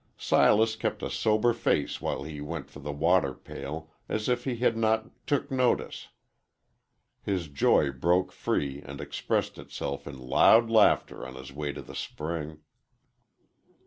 Silas kept a sober face while he went for the water pail, as if he had not "took notice." His joy broke free and expressed itself in loud laughter on his way to the spring.